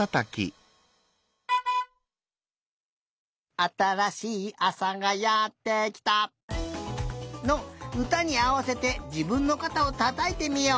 「あたらしいあさがやってきた」のうたにあわせてじぶんのかたをたたいてみよう！